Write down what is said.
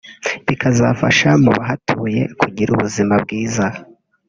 bikazafasha mu bahatuye kugira ubuzima bwiza